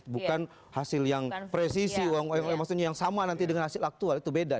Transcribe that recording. bukan hasil yang presisi maksudnya yang sama nanti dengan hasil aktual itu beda